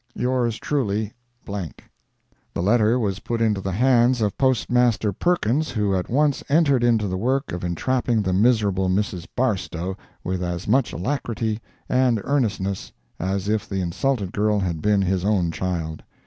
Yours truly, The letter was put into the hands of Postmaster Perkins, who at once entered into the work of entrapping the miserable Mrs. Barstow with as much alacrity and earnestness as if the insulted girl had been his own child.